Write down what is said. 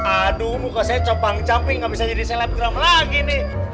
aduh muka saya copang caping gak bisa jadi selebgram lagi nih